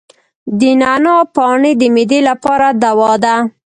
د نعناع پاڼې د معدې لپاره دوا ده.